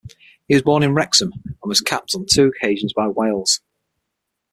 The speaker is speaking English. He was born in Wrexham, and was capped on two occasions by Wales.